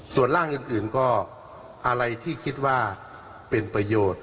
ส่วนร่างอื่นก็อะไรที่คิดว่าเป็นประโยชน์